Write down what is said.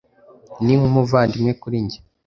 ni nk'umuvandimwe kuri njye